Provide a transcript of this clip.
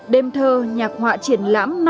đêm thơ nhạc họa triển lãm